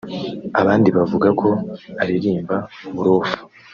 abandi bavuga ko aririmba uburofa